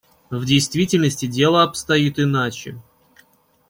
В действительности дело обстоит иначе.